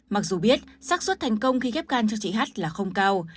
mặc dù biết sắc xuất thành công khi ghép gan cho chị h là không cao